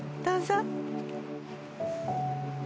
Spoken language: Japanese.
どうぞ。